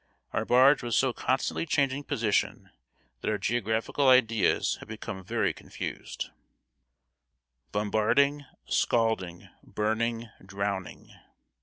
Our barge was so constantly changing position that our geographical ideas had become very confused. [Sidenote: BOMBARDING, SCALDING, BURNING, DROWNING.